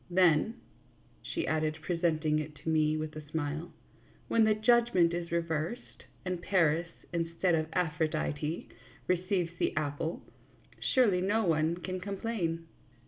Then," she added, presenting it to me with a smile, " when the judgment is reversed, and Paris, instead of Aphrodite, receives the apple, surely no one can complain."